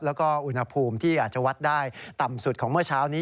แล้วก็อุณหภูมิที่อาจจะวัดได้ต่ำสุดของเมื่อเช้านี้